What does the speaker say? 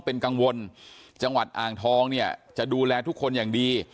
เป็นกังวลจังหวัดอ่างทองเนี่ยจะดูแลทุกคนอย่างดี